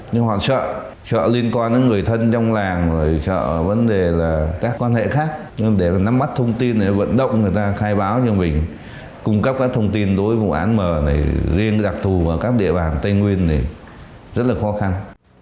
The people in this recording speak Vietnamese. chợ liên quan đến người thân trong làng chợ vấn đề là các quan hệ khác để nắm mắt thông tin để vận động người ta khai báo cho mình cung cấp các thông tin đối với vụ án mờ này riêng đặc thù ở các địa bàn tây nguyên này rất là khó khăn